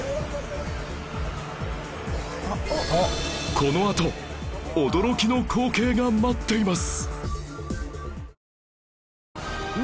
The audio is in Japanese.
このあと驚きの光景が待っています